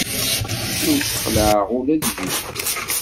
Ur ssexlaɛeɣ ula d yiwen.